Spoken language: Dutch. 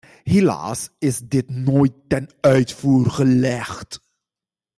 Helaas is dit nooit ten uitvoer gelegd.